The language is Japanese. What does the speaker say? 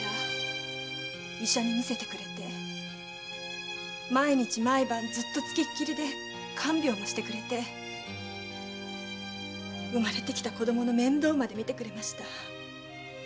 医者に診せてくれて毎日毎晩つきっきりで看病してくれて生まれてきた子供の面倒までみてくれました。